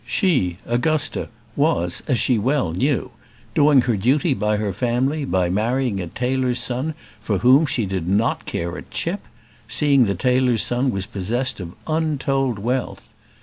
She, Augusta, was, as she well knew, doing her duty by her family by marrying a tailor's son for whom she did not care a chip, seeing the tailor's son was possessed of untold wealth.